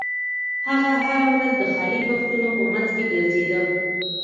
هغه هره ورځ د خالي بکسونو په مینځ کې ګرځیده